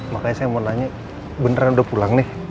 makanya saya mau nanya beneran udah pulang nih